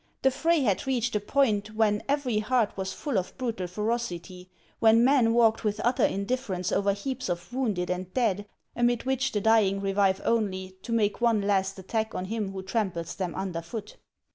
The fray had reached a point when every heart was full of brutal ferocity, when men walked with utter indifference over heaps of wounded and dead, amid which the dying revive only to make one last attack on him who tramples them under foot.